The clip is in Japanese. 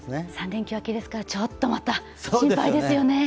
３連休明けですから、ちょっとまた心配ですよね。